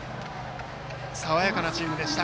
爽やかなチームでした。